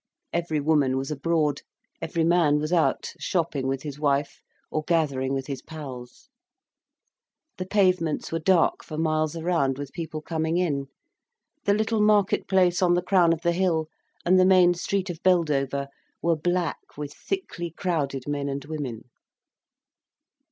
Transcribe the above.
Every woman was abroad, every man was out, shopping with his wife, or gathering with his pals. The pavements were dark for miles around with people coming in, the little market place on the crown of the hill, and the main street of Beldover were black with thickly crowded men and women.